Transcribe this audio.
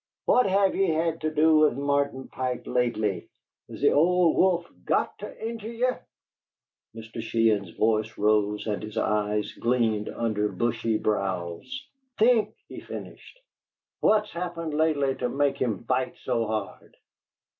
What have ye had to do with Martin Pike lately? Has the old wolf GOT to injure ye?" Mr. Sheehan's voice rose and his eyes gleamed under bushy brows. "Think," he finished. "What's happened lately to make him bite so hard?"